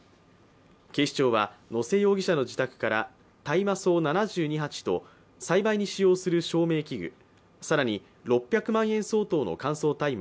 警視庁は野瀬容疑者の自宅から、大麻草７２鉢と栽培に使用する照明器具、更に６００万円相当の乾燥大麻